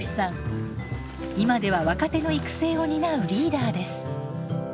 今では若手の育成を担うリーダーです。